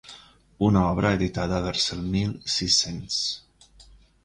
Una obra editada vers el mil sis-cents.